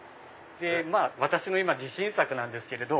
私の自信作なんですけれど。